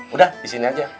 udah disini aja